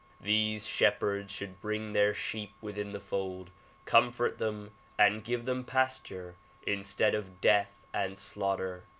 These shepherds should bring their sheep within the fold, comfort them and give them pasture instead of death and slaughter.